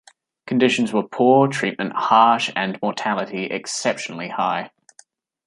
Conditions were poor, treatment harsh, and mortality exceptionally high.